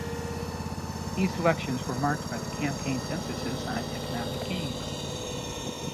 These elections were marked by the campaign's emphasis on economic gains.